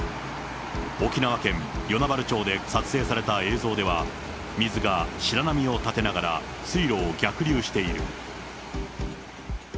沖縄県与那原町で撮影された映像では、水が白波を立てながら、水路を逆流している。